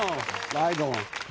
ライドオン。